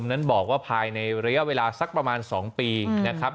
นั้นบอกว่าภายในระยะเวลาสักประมาณ๒ปีนะครับ